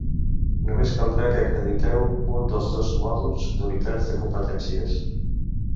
Només caldrà que acrediteu un dels dos mòduls d'unitats de competències.